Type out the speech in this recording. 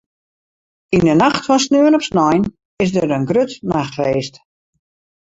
Yn 'e nacht fan sneon op snein is der in grut nachtfeest.